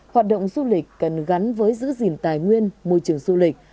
hoạt động du lịch cần gắn với giữ gìn tài nguyên môi trường du lịch